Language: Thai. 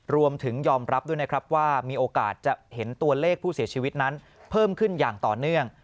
รวมถึงยอมรับด้วยนะครับว่ามีโอกาสจะเห็นตัวเลขผู้เสียชีวิตนั้นเพิ่มขึ้นอย่างต่อเนื่อง